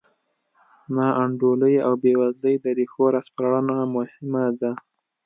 ناانډولۍ او بېوزلۍ د ریښو راسپړنه مهمه ده.